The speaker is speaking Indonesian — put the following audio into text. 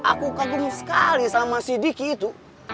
aku kagum sekali sama si diki itu